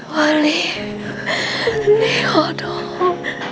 ว่าลิลิขอโทษ